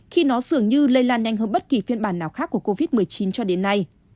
khi nó dường như lây lan nhanh hơn bất kỳ phiên bản nào khác của covid một mươi chín cho đến nay